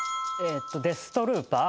デス・トルーパー。